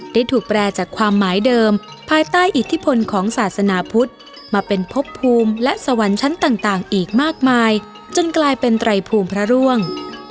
ได้ถูกแปลจากความหมายเดิมภายใต้อิทธิพลของศาสนาพุทธมาเป็นพบภูมิและสวรรค์ชั้นต่างอีกมากมายจนกลายเป็นไตรภูมิพระร่วง